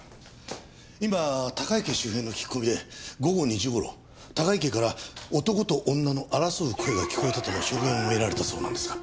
今高井家周辺の聞き込みで午後２時頃高井家から男と女の争う声が聞こえたとの証言を得られたそうなんですが。